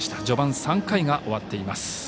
序盤、３回が終わっています。